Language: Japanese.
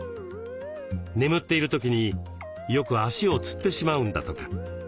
眠っている時によく足をつってしまうんだとか。